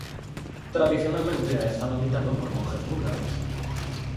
Tradicionalmente ha estado habitado por monjes búlgaros.